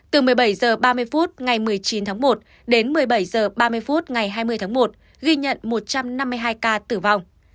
từ một mươi bảy h ba mươi phút ngày một mươi chín tháng một đến một mươi bảy h ba mươi phút ngày hai mươi tháng một ghi nhận một trăm năm mươi hai ca tử vong